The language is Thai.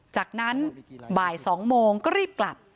จากนั้นบ่าย๒โมงก็รีบกลับ